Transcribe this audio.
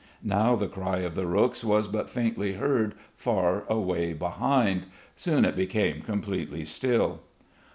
Now the cry of the rooks was but faintly heard far away behind. Soon it became completely still.